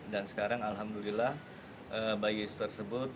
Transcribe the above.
dan sekarang alhamdulillah bayi tersebut